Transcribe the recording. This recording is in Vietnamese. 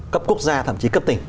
cấp quốc gia thậm chí cấp tỉnh